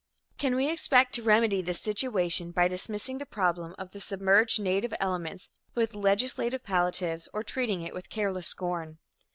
Can we expect to remedy this situation by dismissing the problem of the submerged native elements with legislative palliatives or treating it with careless scorn?